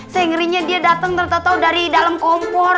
saya ngerinya dia datang terutama dari dalam kompor